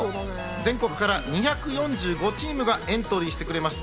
全国から２４５チームがエントリーしてくれました。